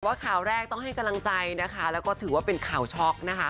ข่าวแรกต้องให้กำลังใจนะคะแล้วก็ถือว่าเป็นข่าวช็อกนะคะ